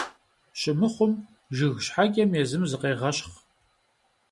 Щымыхъум, жыг щхьэкӀэм езым зыкъегъэщхъ.